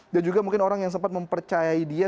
dan juga mungkin orang yang sempat mempercayai dia